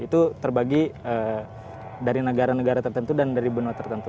itu terbagi dari negara negara tertentu dan dari benua tertentu